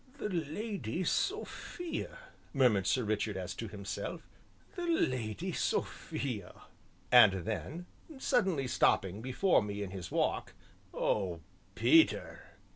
"The Lady Sophia," murmured Sir Richard as if to himself, "the Lady Sophia!" And then, stopping suddenly before me in his walk, "Oh, Peter!"